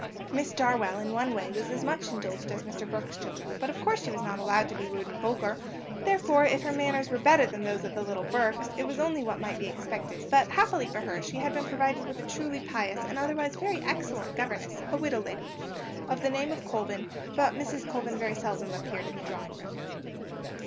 Miss Darwell, in one way, was as much indulged as Mr. Burke's children, but of course she was not allowed to be rude and vulgar; therefore, if her manners were better than those of the little Burkes, it was only what might be expected; but, happily for her, she had been provided with a truly pious and otherwise a very excellent governess, a widow lady, of the name of Colvin; but Mrs. Colvin seldom appeared in the drawing room.